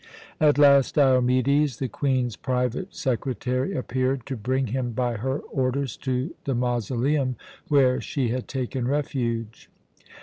At last Diomedes, the Queen's private secretary, appeared, to bring him, by her orders, to the mausoleum where she had taken refuge.